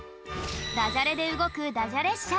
ダジャレでうごくダジャれっしゃ。